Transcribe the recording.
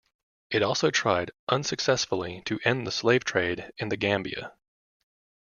It also tried, unsuccessfully, to end the slave trade in the Gambia.